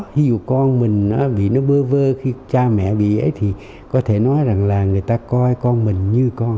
ví dụ con mình bị nó bơ vơ khi cha mẹ bị ấy thì có thể nói là người ta coi con mình như con họ